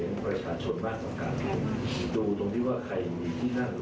มันมีจำนวนที่นั่งสองต่อหรือว่าเป็นชื่อจักร